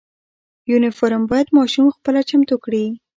یونیفرم باید ماشوم خپله چمتو کړي.